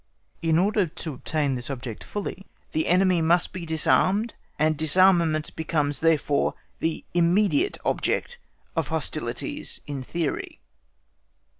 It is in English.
In order to attain this object fully, the enemy must be disarmed, and disarmament becomes therefore the immediate object of hostilities in theory.